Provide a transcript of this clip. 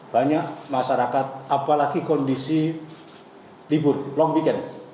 banyak masyarakat apalagi kondisi libur long weekend